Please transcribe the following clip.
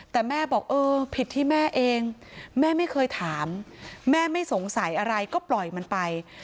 แต่แม่บอกเออผิดที่แม่เองแม่ไม่เคยถามแม่ไม่สงสัยอะไรก็ปล่อยมันไป